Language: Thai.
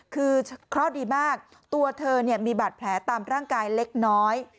คือเคราะห์ดีมากตัวเธอมีบาดแผลตามร่างกายเล็กน้อย